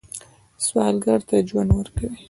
سوالګر ته ژوند ورکوئ